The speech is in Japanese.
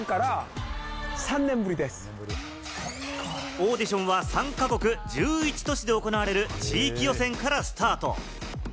オーディションは３か国１１都市で行われる地域予選からスタート。